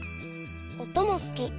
おともすき。